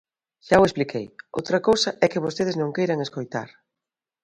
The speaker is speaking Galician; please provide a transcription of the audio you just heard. Xa o expliquei, outra cousa é que vostedes non queiran escoitar.